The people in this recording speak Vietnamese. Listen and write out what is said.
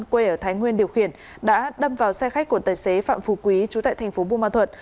quê ở thái nguyên điều khiển đã đâm vào xe khách của tài xế phạm phù quý chú tại thành phố buôn ma thuật